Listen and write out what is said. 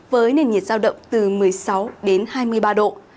với nền nhiệt giao động từ một mươi sáu đến hai mươi ba độ